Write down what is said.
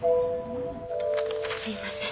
すいません。